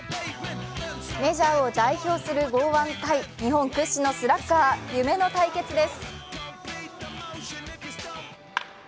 メジャーを代表する剛腕対日本屈指のスラッガー夢の対決です。